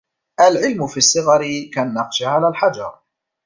العلم في الصِّغَرِ كالنقش على الحجر